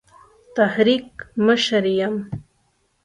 تحریک مشر یم.